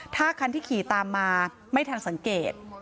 ถ้าคันที่ขี่ตามมาไม่ทันสังเกต